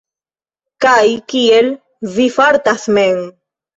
Kaj kiel vi fartas mem?